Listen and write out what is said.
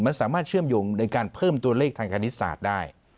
มันสามารถเชื่อมโยงในการเพิ่มตัวเลขทางคณิตศาสตร์ได้